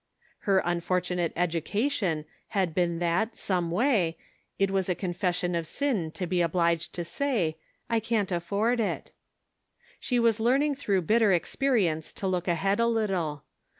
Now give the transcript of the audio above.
Her unfortunate education had been that, some way, it was a confession of sin to be obliged to say, " I can't afford it." She was learning through bitter experience to look ahead a little.